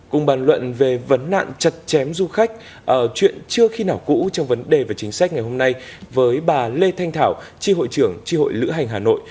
cùng bàn luận về vấn nạn chặt chém du khách chuyện chưa khi nào cũ trong vấn đề về chính sách ngày hôm nay với bà lê thanh thảo tri hội trưởng tri hội lữ hành hà nội